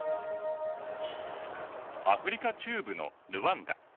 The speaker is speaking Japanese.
アフリカ中部のルワンダ。